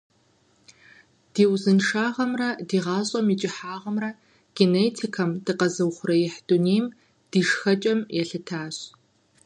Ди узыншагъэмрэ ди гъащӀэм и кӀыхьагъымрэ генетикэм, дыкъэзыухъуреихь дунейм, ди шхэкӀэм елъытащ.